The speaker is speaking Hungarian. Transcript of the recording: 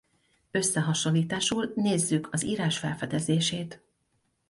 Összehasonlításul nézzük az írás felfedezését!